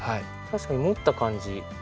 確かに持った感じ。